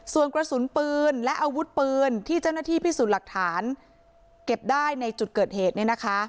ส่วนกระสุนปืนและอาวุธปืนที่เจ้าหน้าที่พิสูจน์หลักฐานเก็บได้ในจุดเกิดเหตุเนี่ยนะคะ